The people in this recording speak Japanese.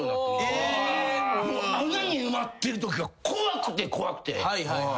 穴に埋まってるときが怖くて怖くて。